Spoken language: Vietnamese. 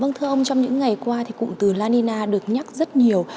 vâng thưa ông trong những ngày qua thì cụm từ la nina được nhắc rất nhiều